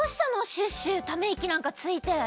シュッシュためいきなんかついて。